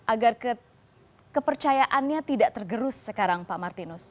agar kepercayaannya tidak tergerus sekarang pak martinus